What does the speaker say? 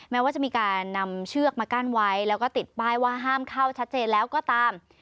แม้ว่าจะมีการนำเชือกมากั้นไว้แล้วก็ติดป้ายว่าห้ามเข้าชัดเจนแล้วก็ตาม